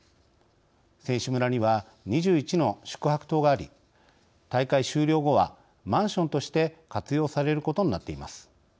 選手村には２１の宿泊棟があり大会終了後はマンションとして活用されることになっています。